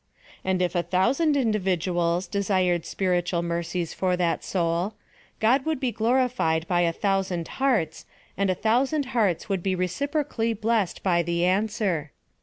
And if a thousand individuals desired spiritual mercies for that soul, God would be glorified by a thousand hearts, and a thousand hearts would be reciprocally blessed by the answer.